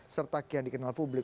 serta kian dikenal publik